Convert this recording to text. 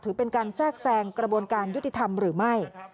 ถือเป็นการแทรกแทรงกระบวนการยุติธรรมหรือไม่